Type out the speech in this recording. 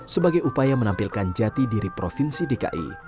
sebagai upaya menampilkan jati diri provinsi dki